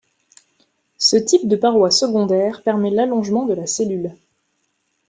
Ce type de paroi secondaire permet l'allongement de la cellule.